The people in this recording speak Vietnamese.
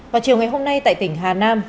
vào chiều ngày hôm nay tại tỉnh hà nam